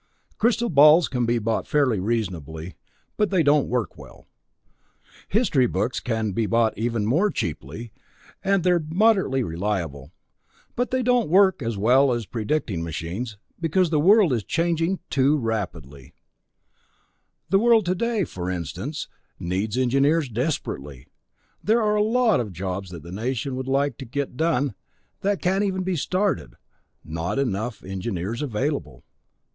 Crystal balls can be bought fairly reasonably but they don't work well. History books can be bought even more cheaply, and they're moderately reliable. (Though necessarily filtered through the cultural attitudes of the man who wrote them.) But they don't work well as predicting machines, because the world is changing too rapidly. The world today, for instance, needs engineers desperately. There a lot of jobs that the Nation would like to get done that can't even be started; not enough engineers available.